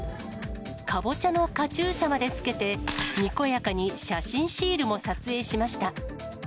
カボチャのカチューシャまで着けて、にこやかに写真シールも撮影しました。